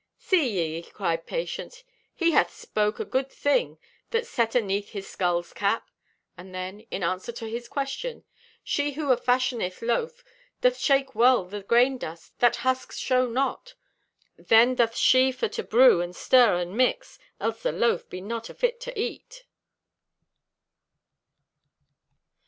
"See ye," cried Patience, "he hath spoke a thing that set aneath his skull's cap!" And then, in answer to his question: "She who afashioneth loaf doth shake well the grain dust that husks show not. Then doth she for to brew and stir and mix, else the loaf be not afit for eat."